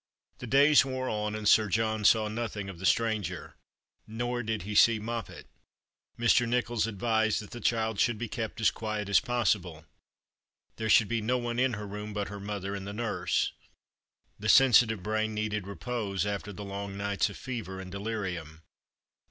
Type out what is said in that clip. The days wore on, and Sir John saw nothing of the stranger. Nor did he see Moppet. Mr. Nicholls advised that the child shoukl be kept as quiet as possible. There should be no one in her room but her mother and the nurse. The sensitive brain needed repose, after the long nights of fever and delirium.